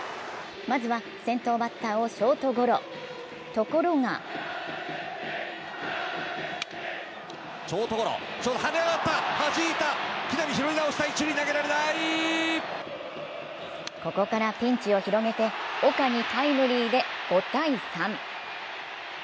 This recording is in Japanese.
まずは先頭バッターをショートゴロ、ところがここからピンチを広げて岡にタイムリーで５−３。